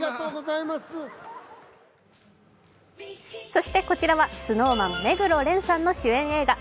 そしてこちらはＳｎｏｗＭａｎ、目黒蓮さんの主演映画。